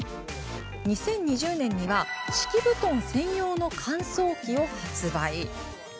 ２０２０年には敷布団専用の乾燥機を発売。